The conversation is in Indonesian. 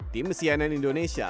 tim cnn indonesia